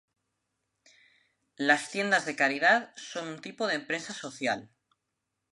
Las tiendas de caridad son un tipo de empresa social.